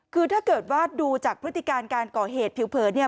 คือถ้าเกิดว่าดูจากพฤติการการก่อเหตุผิวเผินเนี่ย